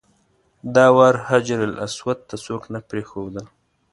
دا وار حجرالاسود ته څوک نه پرېښودل.